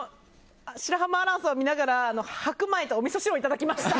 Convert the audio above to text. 白濱亜嵐さんを見ながら白米とおみそ汁をいただきました。